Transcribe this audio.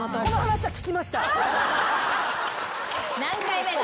何回目だ？